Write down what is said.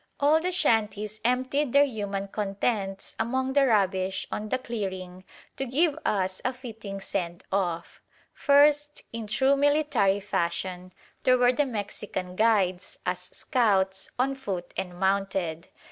All the shanties emptied their human contents among the rubbish on the clearing to give us a fitting send off. First, in true military fashion, there were the Mexican guides, as scouts, on foot and mounted.